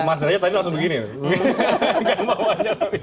mas raya tadi langsung begini ya